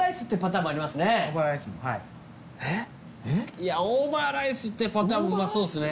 いやオーバーライスってパターンもうまそうですね。